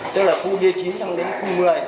tức là khu b chín sang đến khu một mươi